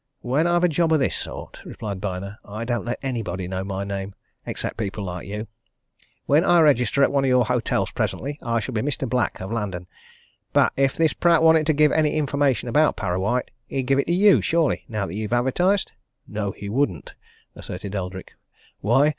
"When I've a job of this sort," replied Byner, "I don't let anybody know my name except people like you. When I register at one of your hotels presently, I shall be Mr. Black of London. But if this Pratt wanted to give any information about Parrawhite, he'd give it to you, surely, now that you've advertised." "No, he wouldn't!" asserted Eldrick. "Why?